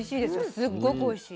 すっごくおいしい。